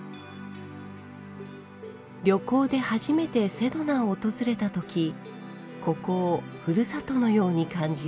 旅行で初めてセドナを訪れた時ここをふるさとのように感じ